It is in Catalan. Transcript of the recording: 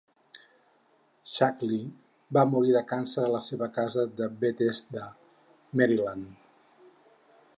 Shackley va morir de càncer a la seva casa de Bethesda (Maryland).